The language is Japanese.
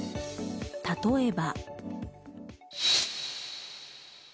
例えば。